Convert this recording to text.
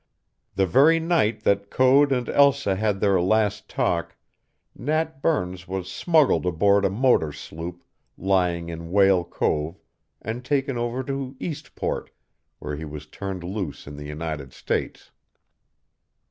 The very night that Code and Elsa had their last talk Nat Burns was smuggled aboard a motor sloop lying in Whale Cove and taken over to Eastport, where he was turned loose in the United States.